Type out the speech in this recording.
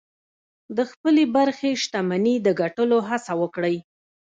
د خپلې برخې شتمني د ګټلو هڅه وکړئ.